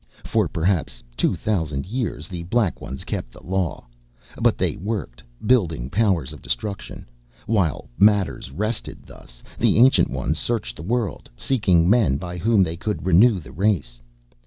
"For perhaps two thousand years the Black Ones kept the law. But they worked, building powers of destruction. While matters rested thus, the Ancient Ones searched the world, seeking men by whom they could renew the race.